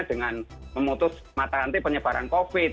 dengan memutus mata rantai penyebaran covid